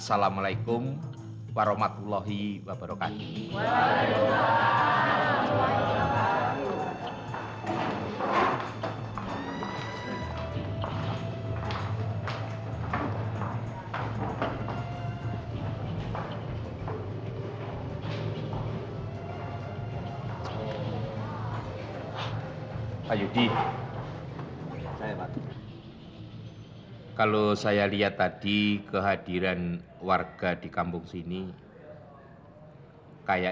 sampai jumpa di video selanjutnya